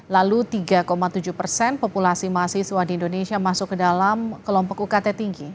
lalu tiga tujuh persen populasi mahasiswa di indonesia masuk ke dalam kelompok ukt tinggi